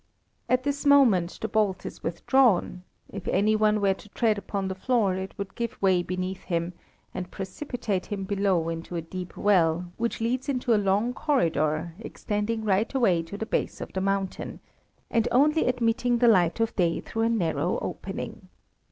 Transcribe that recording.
At this moment the bolt is withdrawn. If any one were to tread upon the floor it would give way beneath him, and precipitate him below into a deep well, which leads into a long corridor, extending right away to the base of the mountain, and only admitting the light of day through a narrow opening.